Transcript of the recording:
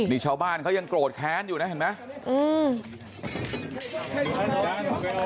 นี่ชาวบ้านเขายังโกรธแค้นอยู่นะเห็นไหม